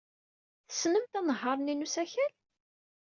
Tessnemt anehhaṛ-nni n usakal?